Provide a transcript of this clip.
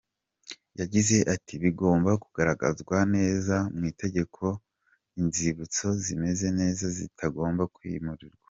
Yagize ati’’ Bigomba kugaragazwa neza mu itegeko ko inzibutso zimeze neza zitagomba kwimurwa.